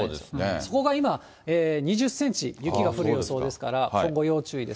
そこが今、２０センチ雪が降る予想ですから、今後、要注意です。